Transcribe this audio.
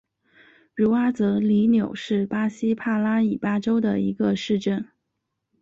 茹阿泽里纽是巴西帕拉伊巴州的一个市镇。